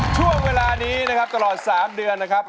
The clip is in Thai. ช่วงเวลานี้นะครับตลอด๓เดือนนะครับ